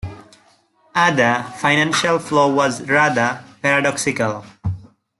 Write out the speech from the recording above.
Other financial flow was rather paradoxical.